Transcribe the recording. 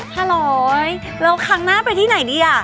ฮัลโหลแล้วครั้งหน้าไปที่ไหนดีอะ